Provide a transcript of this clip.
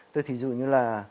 thì ví dụ như là